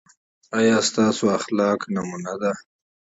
ایا ستاسو اخلاق نمونه دي؟